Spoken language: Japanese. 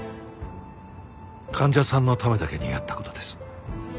患者さんのためだけにやった事です。